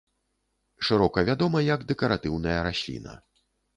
Шырока вядома як дэкаратыўная расліна.